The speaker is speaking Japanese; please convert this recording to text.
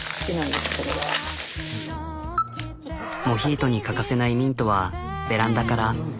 モヒートに欠かせないミントはベランダから。